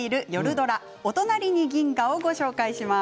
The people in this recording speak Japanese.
ドラ「おとなりに銀河」をご紹介します。